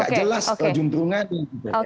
gak jelas kejumpungannya gitu